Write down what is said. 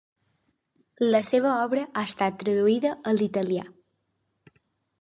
La seva obra ha estat traduïda a l'italià.